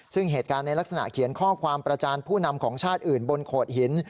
ซึ่งเหตุการณ์ในลักษณะเขียนข้อความประจานผู้นำของชาติอื่นบนโขดหิน